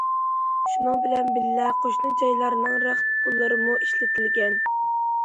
شۇنىڭ بىلەن بىللە قوشنا جايلارنىڭ رەخت پۇللىرىمۇ ئىشلىتىلگەن.